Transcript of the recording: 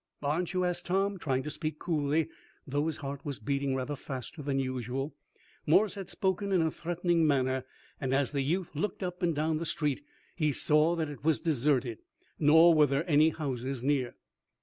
"Aren't you?" asked Tom, trying to speak coolly, though his heart was beating rather faster than usual. Morse had spoken in a threatening manner, and, as the youth looked up and down the street he saw that it was deserted; nor were there any houses near.